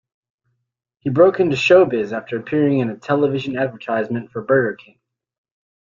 He broke into showbiz after appearing in a television advertisement for Burger King.